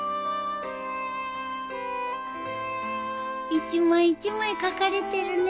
一枚一枚書かれてるね。